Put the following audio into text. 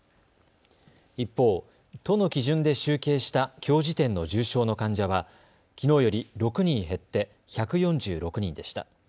一方、都の基準で集計したきょう時点の重症の患者はきのうより６人減って１４６人でした。